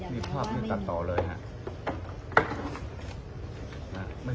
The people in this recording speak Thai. คันนี้พอทนมารอบหนูช่วย